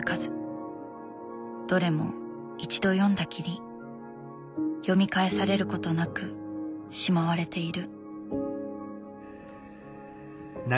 どれも一度読んだきり読み返されることなくしまわれている。